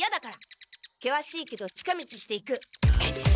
けわしいけど近道して行く。